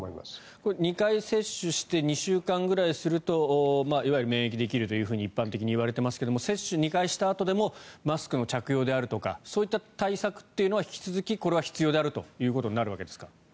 これ、２回接種して２週間たっていわゆる免疫ができると一般的にいわれていますが接種２回したあとでもマスク着用だとかそういった対策は引き続きこれは必要であるということになるわけですか？